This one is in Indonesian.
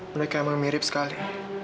mereka emang mirip sekali